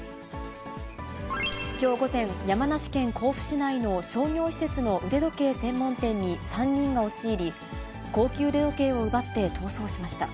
きょう午前、山梨県甲府市内の商業施設の腕時計専門店に３人が押し入り、高級腕時計を奪って逃走しました。